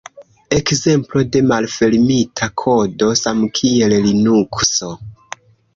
Ekzemplo de malfermita kodo samkiel Linukso.